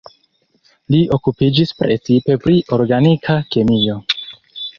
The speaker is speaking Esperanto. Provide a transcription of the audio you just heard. Li okupiĝis precipe pri organika kemio.